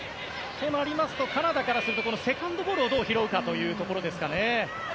となりますとカナダからするとセカンドボールをどう拾うかというところですかね。